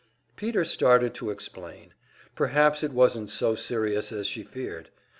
Peter started to explain; perhaps it wasn't so serious as she feared.